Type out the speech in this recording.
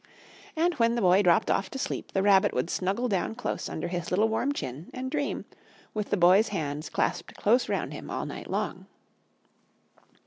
And when the Boy dropped off to sleep, the Rabbit would snuggle down close under his little warm chin and dream, with the Boy's hands clasped close round him all night long.